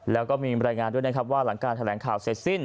แล้วก็มีรายงานว่าหลังการแสดงข่าวเสร็จซิ้น